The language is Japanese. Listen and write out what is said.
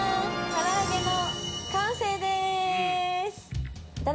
唐揚げの完成です。